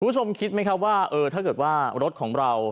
คุณผู้ชมคิดไหมครับว่าเออถ้าเกิดว่ารถของเรา